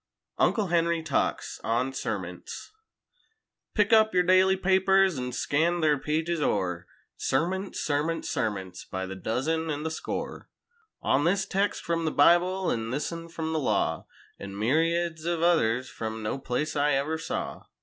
50 UNCLE HENRY TALKS ON SERMONTS Pick up yer daily papers an' scan their pages o'er— Sermonts, sermonts, sermonts—by the dozen an' the score: On this text frum the Bible an' this un frum the law, An' myriads ov others frum no place I ever saw.